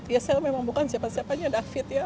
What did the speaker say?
ya saya memang bukan siapa siapanya david ya